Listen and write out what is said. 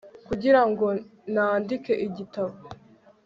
kugira ngo nandike igitabo